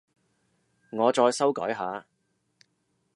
我再修改下